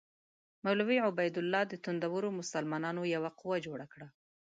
مولوي عبیدالله د توندرو مسلمانانو یوه قوه جوړه کړه.